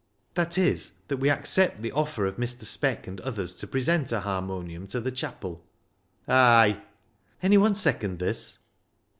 "That is, that we accept the offer of Mr. Speck and others to present a harmonium to the chapel." " Ay !"" Anyone second this